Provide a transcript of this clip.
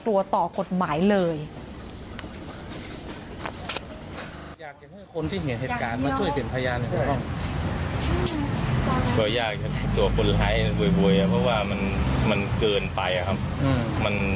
แล้วก็เดินค่อยเดินหน่วยนาดลงสะพานมา